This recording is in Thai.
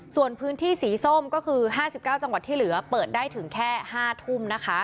ส่วนพื้นที่สีส้มก็คือ๕๙จังหวัดที่เหลือเปิดได้ถึงแค่๕ทุ่มนะคะ